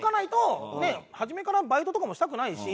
初めからバイトとかもしたくないし。